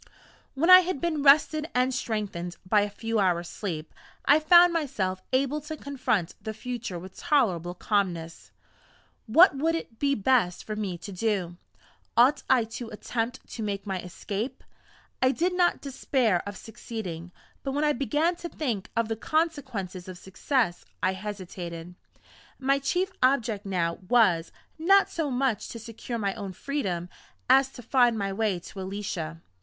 When I had been rested and strengthened by a few hours' sleep, I found myself able to confront the future with tolerable calmness. What would it be best for me to do? Ought I to attempt to make my escape? I did not despair of succeeding; but when I began to think of the consequences of success, I hesitated. My chief object now was, not so much to secure my own freedom, as to find my way to Alicia.